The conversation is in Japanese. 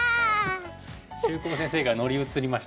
秀行先生が乗り移りましたか。